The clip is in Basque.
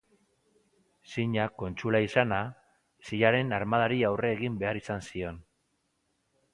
Zina, kontsula izanda, Silaren armadari aurre egin behar izan zion.